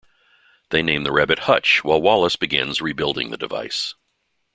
They name the rabbit Hutch while Wallace begins rebuilding the device.